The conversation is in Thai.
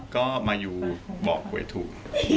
ก็มายูบอกหวยถูก